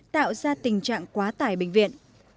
tạo ra tình trạng quá tải bệnh viện